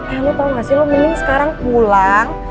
eh lo tau gak sih lo meling sekarang pulang